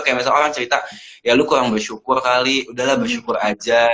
kayak misalnya orang cerita ya lu kurang bersyukur kali udahlah bersyukur aja